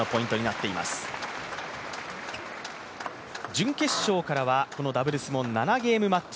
準決勝からはこのダブルスも７ゲームマッチ